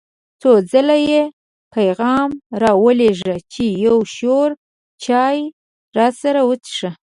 څو ځله یې پیغام را ولېږه چې یو شور چای راسره وڅښه.